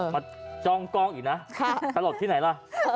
จ้องกล้องอีกนะสลดที่ไหนล่ะ